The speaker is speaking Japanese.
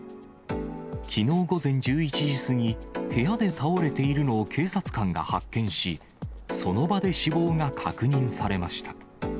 きのう午前１１時過ぎ、部屋で倒れているのを警察官が発見し、その場で死亡が確認されました。